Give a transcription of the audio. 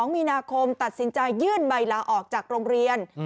๒มีนาคมตัดสินใจยื่นใบลาออกจากโรงเรียน